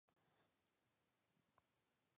因境内岳阳县最高峰相思山而得名。